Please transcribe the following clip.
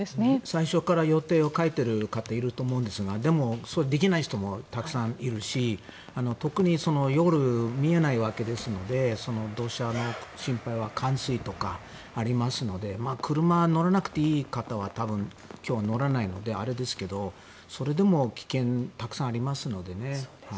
最初から予定を変えている方いると思うんですがでも、できない人もたくさんいるし特に夜、見えないわけですので土砂の心配は冠水とかありますので車に乗らなくていい方は今日は乗らないのであれですがそれでも危険がたくさんありますのでね。